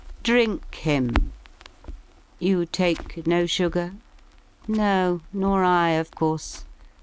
Drink him! You take no sugar? No, nor I, Of course!